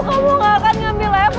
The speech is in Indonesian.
kamu nggak akan ngambil eva dari aku ma